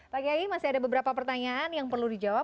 pagi lagi masih ada beberapa pertanyaan yang perlu dijawab